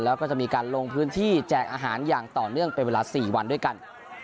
แล้วก็จะมีการลงพื้นที่แจกอาหารอย่างต่อเนื่องเป็นเวลา๔วันด้วยกัน